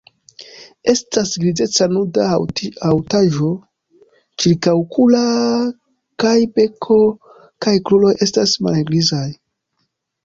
Estas grizeca nuda haŭtaĵo ĉirkaŭokula kaj beko kaj kruroj estas malhelgrizaj.